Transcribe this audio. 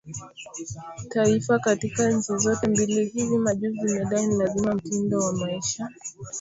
Taifa katika nchi zote mbili Hivi majuzi imedai ni lazima mtindo wa maisha wa